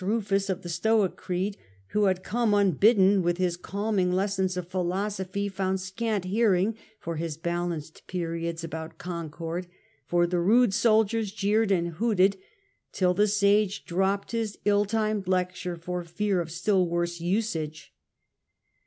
Rufus, of the Stoic creed, who had come unbidden with his calming lessons of philosophy found scant hearing for his balanced periods about concord, for the rude soldiers jeered and hooted till the sage dropped his ill timed lecture for fear of still worse usage.